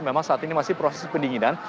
memang saat ini masih proses pendinginan